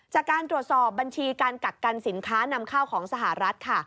จากการตรวจสอบบัญชีการกักกันสินค้านำเข้าของสหรัฐค่ะ